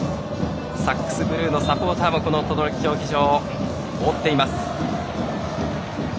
そしてサックスブルーのサポーターも等々力競技場、覆っています。